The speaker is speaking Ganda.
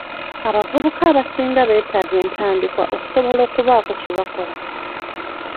Abavubuka abasinga beetaaga entandikwa okusobola okubaako kye bakola.